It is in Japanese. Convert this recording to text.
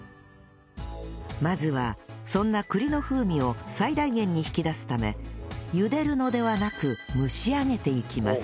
まずはそんな栗の風味を最大限に引き出すため茹でるのではなく蒸し上げていきます